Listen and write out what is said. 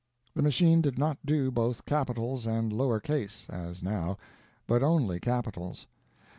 The machine did not do both capitals and lower case (as now), but only capitals.